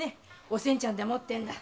おせんちゃんでもってんだ。